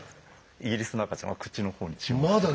イギリスの赤ちゃんは口の方に注目する。